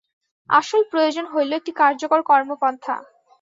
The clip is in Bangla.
আসল প্রয়োজন হইল একটি কার্যকর কর্মপন্থা।